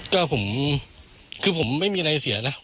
ก็ผมคือผมไม่มีอะไรเสียนะ